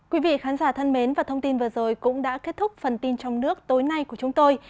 quý vị khán giả thân mến và thông tin vừa rồi cũng đã kết thúc phần tin trong nước tối nay của chúng tôi